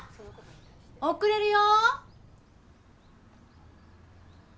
遅れるよ！